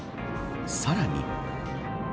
さらに。